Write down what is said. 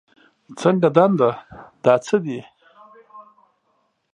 څنګه دنده، دا څه دي؟